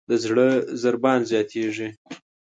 د زړه ضربان زیاتېږي.